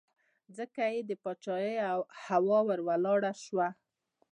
ځکه یې د پاچهۍ هوا ور ولاړه شوه.